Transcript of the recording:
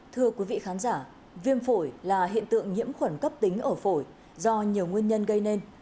thưa quý vị khán giả viêm phổi là hiện tượng nhiễm khuẩn cấp tính ở phổi do nhiều nguyên nhân gây nên